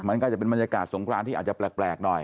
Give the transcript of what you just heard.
มันก็จะเป็นบรรยากาศสงครานที่อาจจะแปลกหน่อย